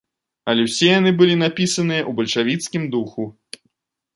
Але ўсе яны былі напісаныя ў бальшавіцкім духу.